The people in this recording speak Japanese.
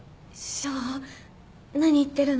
翔何言ってるの？